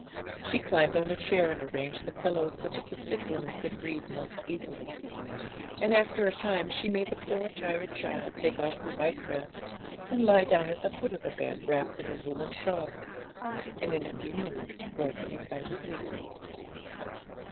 She climbed on a chair and arranged the pillows, so that the sick woman could breathe most easily. And after a time she made the poor tired child take off her white dress, and lie down at the foot of the bed, wrapped in a woollen shawl. And in a few minutes Rosalie fell asleep.